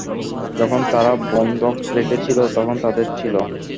যখন তারা বন্ধক রেখে ছিলো, তখন তাদের ছিলো।